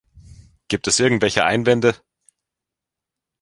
Gibt es irgendwelche Einwände?